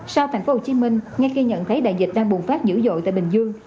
sau tp hcm ngay khi nhận thấy đại dịch đang bùng phát dữ dội tại bình dương